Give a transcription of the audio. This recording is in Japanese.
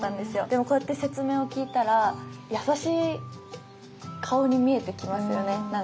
でもこうやって説明を聞いたら優しい顔に見えてきますよね何か。